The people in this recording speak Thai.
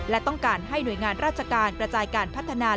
และต้องการให้หน่วยงานราชการกระจายการพัฒนา